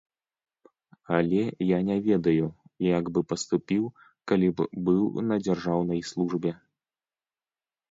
Але я не ведаю, як бы паступіў, калі б быў на дзяржаўнай службе.